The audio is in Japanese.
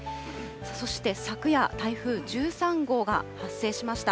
そして昨夜、台風１３号が発生しました。